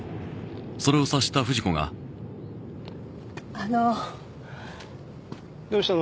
あのどうしたの？